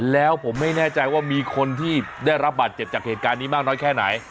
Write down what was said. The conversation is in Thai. แล้วผมไม่แน่ใจว่ามีคนที่ได้รับบาดเจ็บจากเหตุการณ์นี้มากน้อยแค่ไหน